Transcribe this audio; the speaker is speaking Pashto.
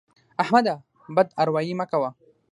احمده! بد اروايي مه کوه.